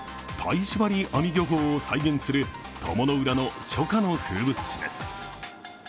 しばり網漁法を再現する鞆の浦の初夏の風物詩です。